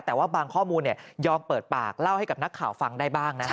แต่ว่าบางข้อมูลยอมเปิดปากเล่าให้กับนักข่าวฟังได้บ้างนะ